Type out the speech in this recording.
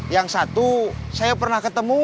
yang satu saya pernah ketemu